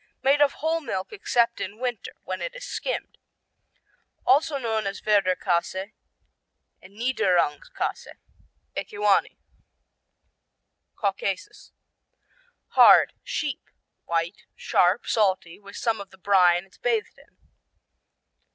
Made of whole milk except in winter when it is skimmed. Also known as Werderkäse and Niederungskäse. Ekiwani Caucasus Hard; sheep; white; sharp; salty with some of the brine it's bathed in.